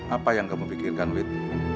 apa yang kamu pikirkan with